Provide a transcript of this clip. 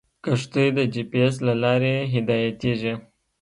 کښتۍ د جي پي ایس له لارې هدایتېږي.